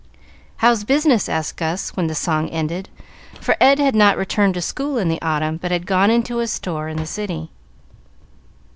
"How's business?" asked Gus, when the song ended, for Ed had not returned to school in the autumn, but had gone into a store in the city.